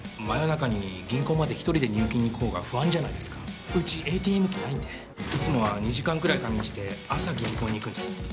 真夜中に銀行まで一人で入金に行く方が不安じゃないですかうちＡＴＭ機ないんでいつもは２時間くらい仮眠して朝銀行に行くんです